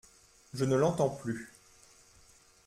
Je ne l’entends plus.